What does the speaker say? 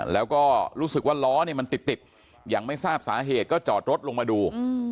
แล้วก็รู้สึกว่าล้อเนี่ยมันติดอย่างไม่ทราบสาเหตุก็จอดรถลงมาดู